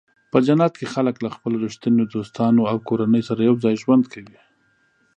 په جنت کې خلک له خپلو رښتینو دوستانو او کورنیو سره یوځای ژوند کوي.